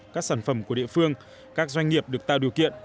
các sản phẩm của địa phương các doanh nghiệp được tạo điều kiện